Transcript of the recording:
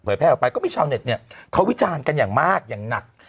แพร่ออกไปก็มีชาวเน็ตเนี่ยเขาวิจารณ์กันอย่างมากอย่างหนัก